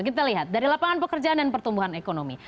kita lihat dari lapangan pekerjaan dan pertumbuhan ekonomi